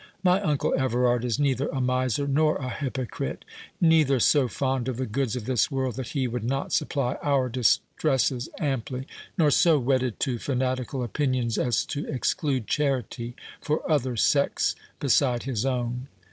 My uncle Everard is neither a miser nor a hypocrite—neither so fond of the goods of this world that he would not supply our distresses amply, nor so wedded to fanatical opinions as to exclude charity for other sects beside his own."